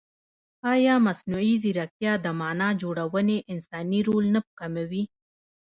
ایا مصنوعي ځیرکتیا د معنا جوړونې انساني رول نه کموي؟